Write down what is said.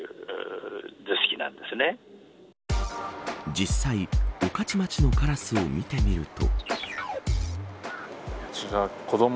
実際、御徒町のカラスを見てみると。